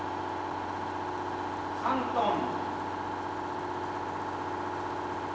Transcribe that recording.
３トン。